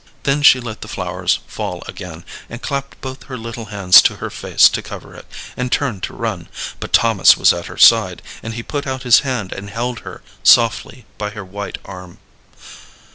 Then she let the flowers fall again, and clapped both her little hands to her face to cover it, and turned to run; but Thomas was at her side, and he put out his hand and held her softly by her white arm.